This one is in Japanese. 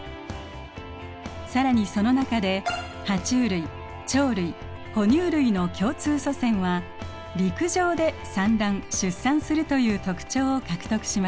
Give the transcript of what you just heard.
更にその中でハチュウ類鳥類哺乳類の共通祖先は陸上で産卵・出産するという特徴を獲得しました。